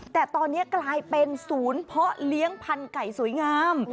แต่ตอนนี้กลายเป็นศูนย์เพาะเลี้ยงพันธุ์ไก่สวยงาม